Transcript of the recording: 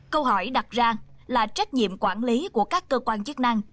câu hỏi đặt ra là trách nhiệm quản lý của các cơ quan chức năng